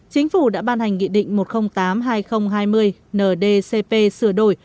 chính phủ đã ban hành nghị định một trăm linh tám hai nghìn hai mươi ndcp sửa đổi